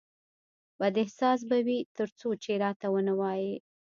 بد احساس به وي ترڅو چې راته ونه وایې